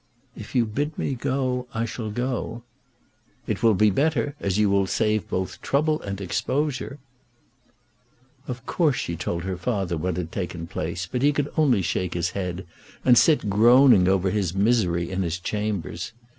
"If you bid me go, I shall go." "It will be better, as you will save both trouble and exposure." Of course she told her father what had taken place, but he could only shake his head, and sit groaning over his misery in his chambers.